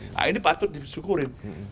nah ini patut disyukuri